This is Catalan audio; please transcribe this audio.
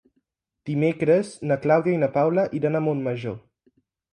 Dimecres na Clàudia i na Paula iran a Montmajor.